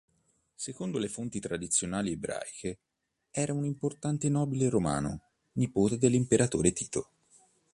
Secondo le fonti tradizionali ebraiche, era un importante nobile romano, nipote dell'Imperatore Tito.